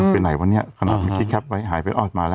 เป็นไหนวะเนี่ยขนาดไม่คิดครับไว้หายไปอ้อดมาแล้ว